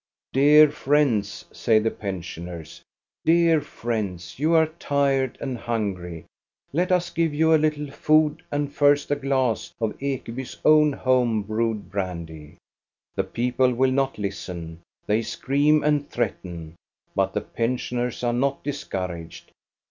" Dear friends, '* say the pensioners ;" dear friends, you are tired and hungry ; let us give you a little food and first a glass of Ekeby's own home brewed brandy. " THE BROOM GIRL 409 The people will not listen; they scream and threaten. But the pensioners are not discouraged.